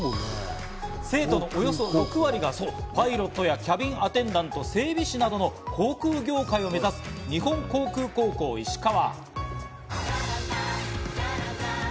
生徒のおよそ６割がパイロットやキャビンアテンダント、整備士などの航空業界を目指す日本航空高校石川。